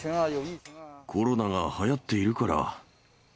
コロナがはやっているから。